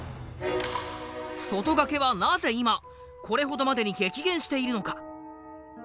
外掛けはなぜ今これほどまでに激減しているのか。